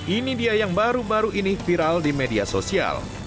ini dia yang baru baru ini viral di media sosial